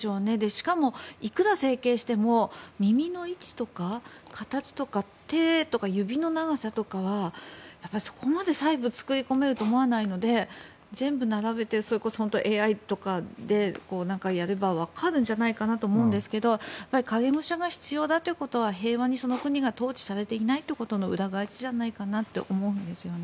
しかも、いくら整形しても耳の位置とか形とか手とか指の長さとかはやっぱり、そこまで細部を作り込めるとは思えないので全部並べて、それこそＡＩとかで何かやればわかるのではと思いますが影武者が必要だということは平和にその国が統治されていないということの裏返しじゃないかなと思うんですよね。